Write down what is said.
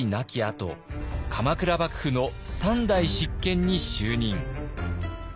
あと鎌倉幕府の３代執権に就任。